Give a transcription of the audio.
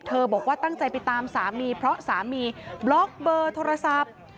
บอกว่าตั้งใจไปตามสามีเพราะสามีบล็อกเบอร์โทรศัพท์